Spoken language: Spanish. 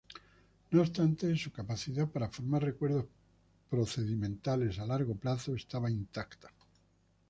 No obstante, su capacidad para formar recuerdos procedimentales a largo plazo estaba intacta.